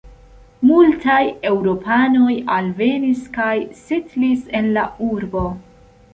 Multaj eŭropanoj alvenis kaj setlis en la urbo.